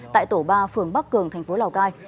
tại tổ ba phường bắc cường thành phố lào cai